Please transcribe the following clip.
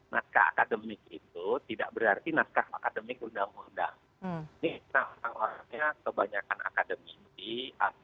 naskah akademik itu tidak berarti naskah akademik undang undang